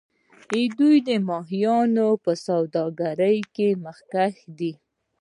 دوی د ماهیانو په سوداګرۍ کې مخکښ دي.